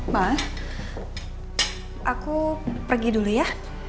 mas aku pergi dulu ya